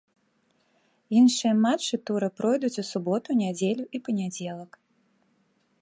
Іншыя матчы тура пройдуць у суботу, нядзелю і панядзелак.